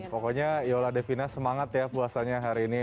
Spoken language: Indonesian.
pokoknya yola devina semangat ya puasanya hari ini